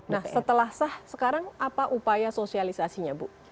nah setelah sah sekarang apa upaya sosialisasinya bu